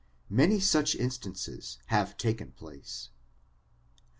Many such instances have taken place.